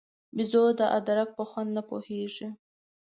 بېزو د ادرک په خوند نه پوهېږي.